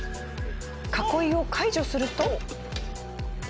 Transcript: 囲いを解除すると。